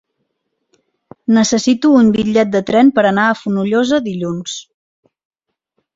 Necessito un bitllet de tren per anar a Fonollosa dilluns.